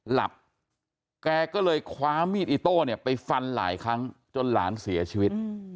หลับแกก็เลยคว้ามีดอิโต้เนี่ยไปฟันหลายครั้งจนหลานเสียชีวิต